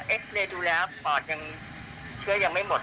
เอ็กซ์เรย์ดูแล้วปอดยังเชื้อยังไม่หมด